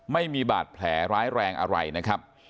ไม่มีบาดแผลร้ายแรงอะไรนะครับ